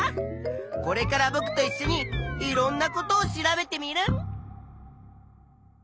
これからぼくといっしょにいろんなことを調べテミルン！